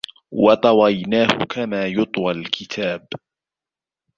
و طويناه كما يطوى الكتاب